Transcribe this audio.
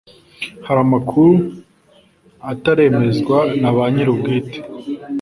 Hari amakuru ataremezwa na ba nyirubwite